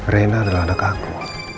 rena adalah anak aku